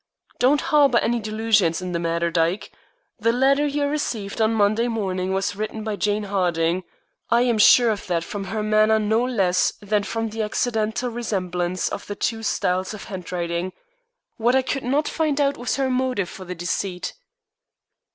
Don't harbor any delusions in the matter, Dyke. The letter you received on Monday morning was written by Jane Harding. I am sure of that from her manner no less than from the accidental resemblance of the two styles of handwriting. What I could not find out was her motive for the deceit."